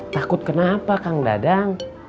takut kenapa kang dadang